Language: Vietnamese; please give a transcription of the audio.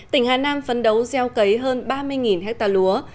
tỉnh hà nam phấn đấu gieo cấy hơn ba mươi ha lúa